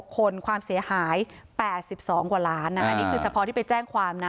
คนความเสียหาย๘๒กว่าล้านอันนี้คือเฉพาะที่ไปแจ้งความนะ